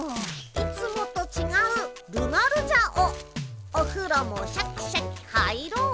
いつもとちがうるまるじゃおおふろもシャキシャキ入ろうね。